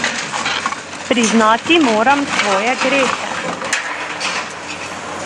Priznati moram svoje grehe.